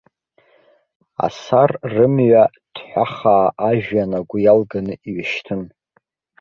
Асар рымҩа ҭҳәахаа ажәҩан агәы иалганы иҩашьҭын.